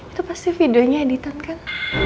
itu pasti videonya editon kan